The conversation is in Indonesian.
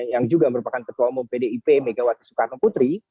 yang juga merupakan ketua umum pdip megawati soekarno putri